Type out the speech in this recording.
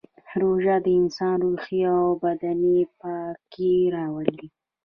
روژه د انسان روحي او بدني پاکي راولي